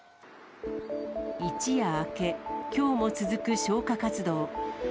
一夜明け、きょうも続く消火活動。